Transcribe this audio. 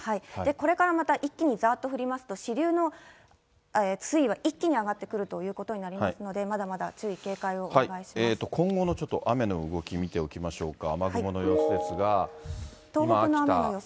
これからまた一気にざーっと降りますと、支流の水位は一気に上がってくるということになりますので、まだまだ注意、警戒をお今後のちょっと雨の動き見ておきましょうか。